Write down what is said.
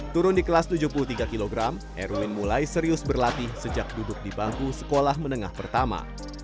turun di kelas tujuh puluh tiga kg erwin mulai serius berlatih sejak duduk di bangku sekolah menengah pertama